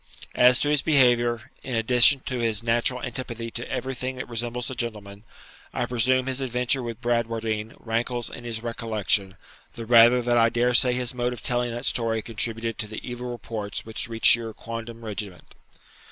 As to his behaviour, in addition to his natural antipathy to everything that resembles a gentleman, I presume his adventure with Bradwardine rankles in his recollection, the rather that I daresay his mode of telling that story contributed to the evil reports which reached your quondam regiment.'